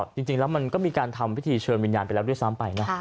จริงแล้วมันก็มีการทำพิธีเชิญวิญญาณไปแล้วด้วยซ้ำไปนะ